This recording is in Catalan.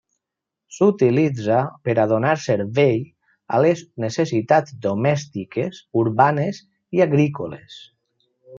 S'utilitza per a donar servei a les necessitats domèstiques, urbanes i agrícoles.